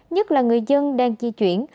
nhất là người dân đang di chuyển